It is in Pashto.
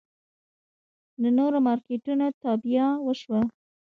د نورو مارکېټونو تابیا وشوه.